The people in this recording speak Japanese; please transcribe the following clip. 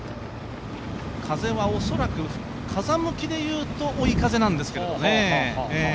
風は恐らく、風向きでいうと追い風なんですけどね。